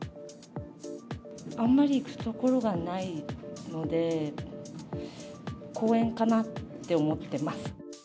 あんまり行く所がないので、公園かなって思ってます。